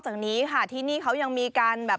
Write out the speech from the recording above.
จากนี้ค่ะที่นี่เขายังมีการแบบ